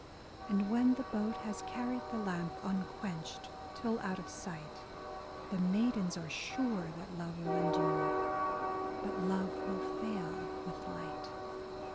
And when the boat has carried the lamp Unquenched, till out of sight. The maidens are sure that love will endure, — But love will fail with light.